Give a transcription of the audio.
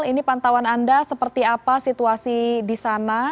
ini pantauan anda seperti apa situasi di sana